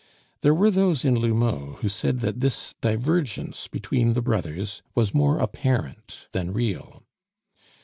There were those in L'Houmeau who said that this divergence between the brothers was more apparent than real.